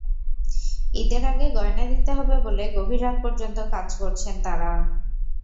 ঈদের আগে গয়না দিতে হবে বলে গভীর রাত পর্যন্ত কাজ করছেন তাঁরা।